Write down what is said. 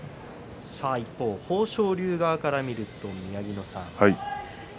一方の豊昇龍側から見ると宮城野さん